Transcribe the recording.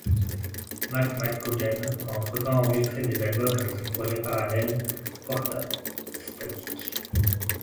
Mac McCaughan a entre-temps enregistré des albums avec son projet parallèle, Portastatic.